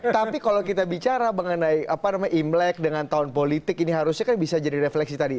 tapi kalau kita bicara mengenai imlek dengan tahun politik ini harusnya kan bisa jadi refleksi tadi